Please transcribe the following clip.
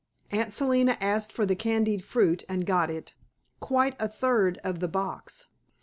Aunt Selina asked for the candied fruit and got it quite a third of the box.